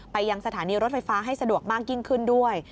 ไปยังสถานีรถไฟฟ้าให้สะดวกมากยิ่งขึ้นด้วย